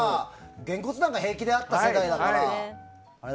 げんこつなんか平気であった世代だから。